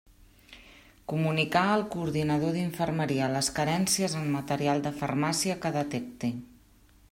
Comunicar al Coordinador d'Infermeria les carències en material de farmàcia que detecte.